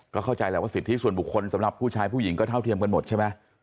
ก็เข้าใจแหละว่าสิทธิส่วนบุคคลสำหรับผู้ชายผู้หญิงก็เท่าเทียมกันหมดใช่ไหม